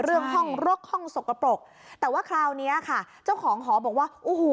เรื่องห้องรกห้องสกปรกแต่ว่าคราวเนี้ยค่ะเจ้าของหอบอกว่าโอ้โห